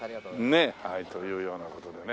はいというような事でね。